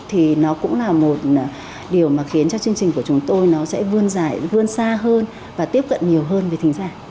thì nó cũng là một điều mà khiến cho chương trình của chúng tôi nó sẽ vươn dài vươn xa hơn và tiếp cận nhiều hơn với thính giả